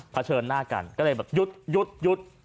เผชิญหน้ากันก็เลยยุดยุดยุด